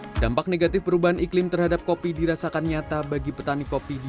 hai dampak negatif perubahan iklim terhadap kopi dirasakan nyata bagi petani kopi di